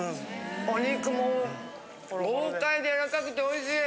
お肉も豪快でやわらかくておいしい！